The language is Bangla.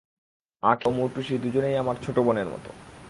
আঁখি ও মৌটুসি দুজনেই আমার ছোট বোনের মতো।